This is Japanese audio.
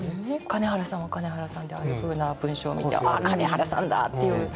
金原さんは金原さんでああいうふうな文章を見てあっ金原さんだっていう。